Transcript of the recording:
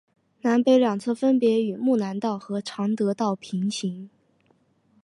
南北两侧分别与睦南道和常德道平行。